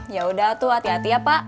ya udah tuh hati hati ya pak